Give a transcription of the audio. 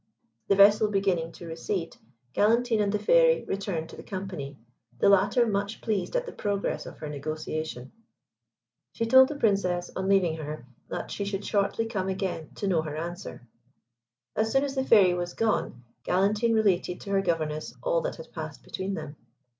The vessel beginning to recede, Galantine and the Fairy returned to the company, the latter much pleased at the progress of her negotiation. She told the Princess, on leaving her, that she should shortly come again to know her answer. As soon as the Fairy was gone, Galantine related to her governess all that had passed between them.